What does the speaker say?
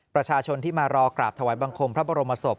ประชาชนที่มารอกราบถวายบังคมพระบรมศพ